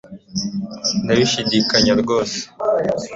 Ndabishidikanya rwose